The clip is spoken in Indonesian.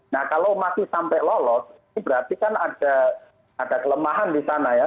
nah kalau masih sampai lolos ini berarti kan ada kelemahan di sana ya